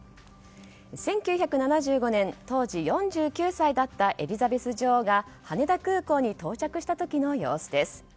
１９７５年、当時４９歳だったエリザベス女王が羽田空港に到着した時の様子です。